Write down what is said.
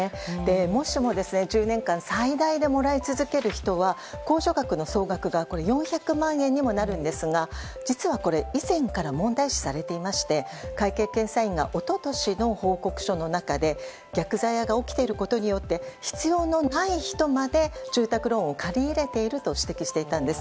もしも、１０年間最大でもらい続ける人は控除額の総額が４００万円にもなるんですが実は、これ、以前から問題視されていまして会計検査院が一昨年の報告書の中で逆ザヤが起きていることによって必要のない人まで住宅ローンを借り入れていると指摘していたんです。